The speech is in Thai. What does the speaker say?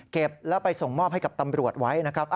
เก็บแล้วไปส่งมอบให้กับตำรวจไว้นะครับ